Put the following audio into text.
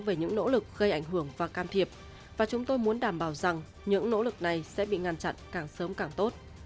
về những nỗ lực gây ảnh hưởng và can thiệp và chúng tôi muốn đảm bảo rằng những nỗ lực này sẽ bị ngăn chặn càng sớm càng tốt